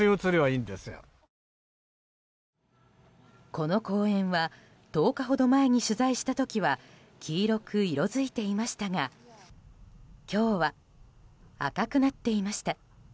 この公園は１０日ほど前に取材した時は黄色く色づいていましたが今日は赤くなっていました。